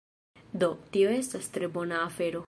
Do, tio estas tre bona afero